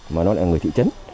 mà nó lại là người thị trấn